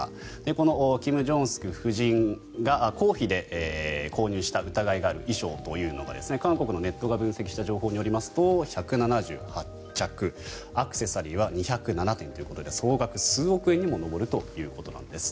このキム・ジョンスク夫人が公費で購入した疑いがある衣装というのが韓国のネットが分析した情報によりますと１７８着アクセサリーは２０７点ということで総額数億円に上るということなんです。